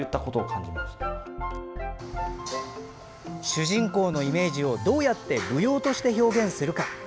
主人公のイメージをどうやって舞踊として表現するか。